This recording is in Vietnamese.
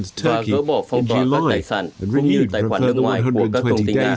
và gỡ bỏ phong bỏ các tài sản và gửi mưu tài khoản nước ngoài của các công ty nga